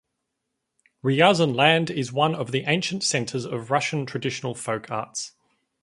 Ryazan land is one of the ancient centers of Russian traditional folk arts.